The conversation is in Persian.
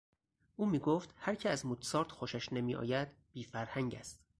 او میگفت: هر که از موتسارت خوشش نمیآید بی فرهنگ است.